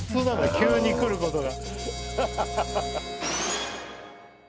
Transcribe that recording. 急に来ることが。